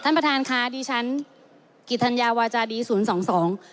ท่านประธานค่ะดิฉันกิทัณยาวาจดีศูนย์๒๒